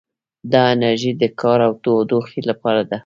دا انرژي د کار او تودوخې لپاره ده.